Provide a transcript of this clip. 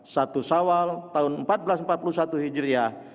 satu sawal tahun seribu empat ratus empat puluh satu hijriah